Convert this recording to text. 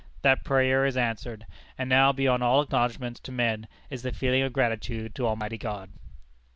That prayer is answered; and now, beyond all acknowledgments to men, is the feeling of gratitude to Almighty God."